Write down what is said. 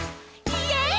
イエイ！